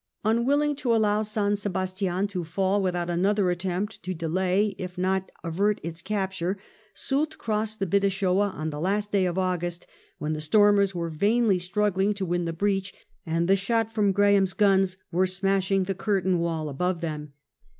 Unwilling to allow San Sebastian to fall without another attempt to delay if not avert its capture, Soult crossed the Bidassoa on the last day of August, when the stormers were vainly struggling to win the breach and the shot from Graham's guns were smashing the curtain wall above them.